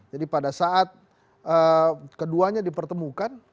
jadi pada saat keduanya dipertemukan